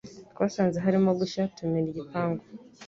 Twasanze harimo gushya tumena igipangu